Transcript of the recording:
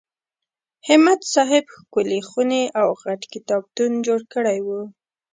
همت صاحب ښکلې خونې او غټ کتابتون جوړ کړی و.